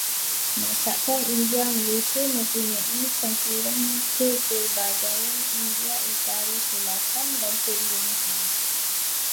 Masakan India Malaysia mempunyai campuran kepelbagaian India utara-selatan dan Sri Lanka.